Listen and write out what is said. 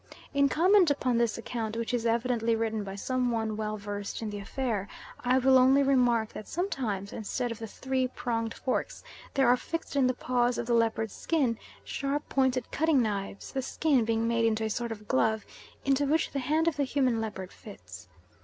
In comment upon this account, which is evidently written by some one well versed in the affair, I will only remark that sometimes, instead of the three pronged forks, there are fixed in the paws of the leopard skin sharp pointed cutting knives, the skin being made into a sort of glove into which the hand of the human leopard fits.